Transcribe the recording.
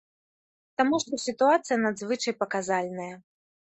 Таму што сітуацыя надзвычай паказальная.